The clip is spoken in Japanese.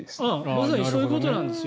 まさにそういうことなんです。